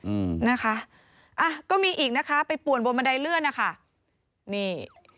อืมนะคะอ่ะก็มีอีกนะคะไปป่วนบนบันไดเลื่อนนะคะนี่